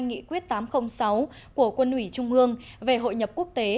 nghị quyết tám trăm linh sáu của quân ủy trung ương về hội nhập quốc tế